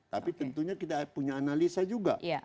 tapi tentunya kita punya analisa juga